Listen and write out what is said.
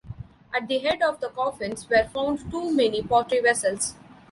At the head of the coffins were found too many pottery vessels.